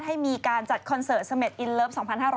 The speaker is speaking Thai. ให้มีการจัดคอนเสิร์ตเสม็ดอินเลิฟ๒๕๖๐